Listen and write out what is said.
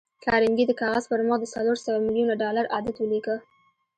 کارنګي د کاغذ پر مخ د څلور سوه ميليونه ډالر عدد وليکه.